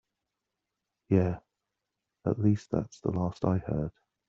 Yeah, at least that's the last I heard.